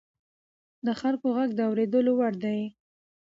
د خلکو غږ د اورېدو وړ دی